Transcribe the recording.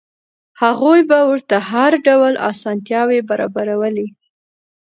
هغوی به ورته هر ډول اسانتیاوې برابرولې.